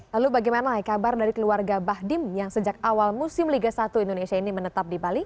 lalu bagaimana kabar dari keluarga bahdim yang sejak awal musim liga satu indonesia ini menetap di bali